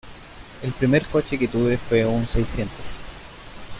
El primer coche que tuve fue un seiscientos.